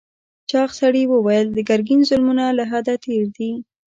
چاغ سړي وویل د ګرګین ظلمونه له حده تېر دي.